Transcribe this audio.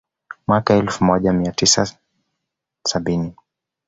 Mwaka elfu moja mia tisa sabini